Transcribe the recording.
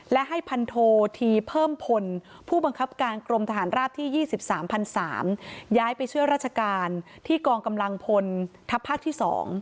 และให้พันโทธีเพิ่มพลผู้บังคับการกรมทหารราบที่๒๓๓๐๐ย้ายไปช่วยราชการที่กองกำลังพลทัพภาคที่๒